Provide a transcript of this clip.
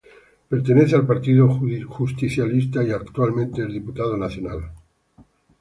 Pertenece al Partido Justicialista y actualmente es Diputado Nacional.